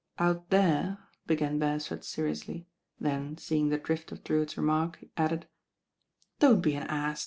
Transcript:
"Out there ^" began Bcresford seriously; then, seeing the drift of Drewitt's remark, added, "Don't be an ass.